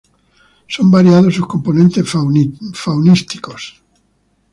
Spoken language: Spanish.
Son variados sus componentes faunísticos.